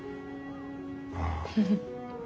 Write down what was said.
ああ。